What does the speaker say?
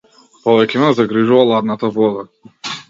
Повеќе ме загрижува ладната вода.